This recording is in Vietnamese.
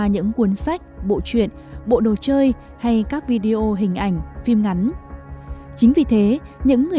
những cuốn sách bộ chuyện bộ đồ chơi hay các video hình ảnh phim ngắn chính vì thế những người